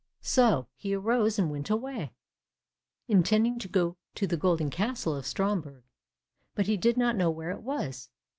So he arose and went away, intending to go to the golden castle of Stromberg, but he did not know where it was.